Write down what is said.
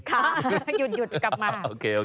หยุดกลับมา